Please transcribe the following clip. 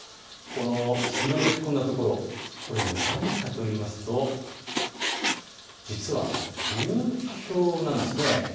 この黄色で囲んだところ、これは何かというと実は流氷なんです。